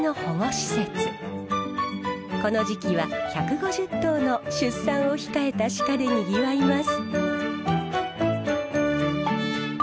この時期は１５０頭の出産を控えた鹿でにぎわいます。